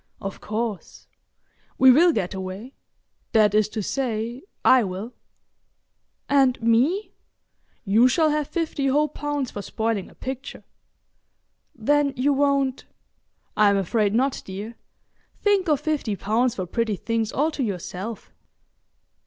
"Of course. We will get away—that is to say, I will." "And me?" "You shall have fifty whole pounds for spoiling a picture." "Then you won't——?" "I'm afraid not, dear. Think of fifty pounds for pretty things all to yourself."